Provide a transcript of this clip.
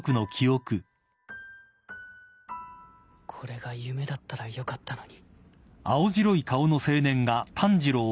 これが夢だったらよかったのに。